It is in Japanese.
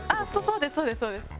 そうですそうです。